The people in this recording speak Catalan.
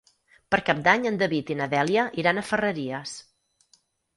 Per Cap d'Any en David i na Dèlia iran a Ferreries.